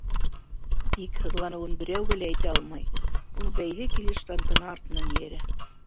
Тик һыҙланыуын берәүгә лә әйтә алмай, ул бәйле килеш тантана артынан эйәрә.